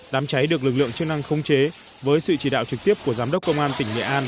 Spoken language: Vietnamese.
đám cháy được lực lượng chức năng không chế với sự chỉ đạo trực tiếp của giám đốc công an tỉnh nghệ an